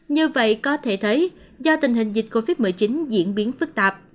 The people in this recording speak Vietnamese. như vậy có thể thấy do tình hình dịch covid một mươi chín diễn biến phức tạp